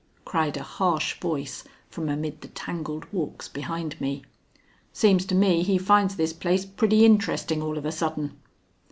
cried a harsh voice from amid the tangled walks behind me. "Seems to me he finds this place pretty interesting all of a sudden."